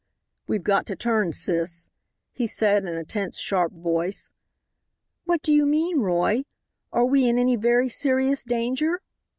"We've got to turn, sis," he said, in a tense, sharp voice. "What do you mean, Roy? Are we in any very serious danger?"